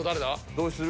どうする？